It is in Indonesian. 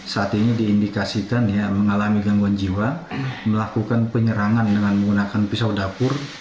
saat ini diindikasikan ya mengalami gangguan jiwa melakukan penyerangan dengan menggunakan pisau dapur